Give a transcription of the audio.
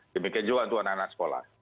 demikian juga untuk anak anak sekolah